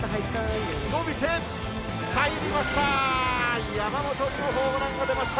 伸びて、入りました！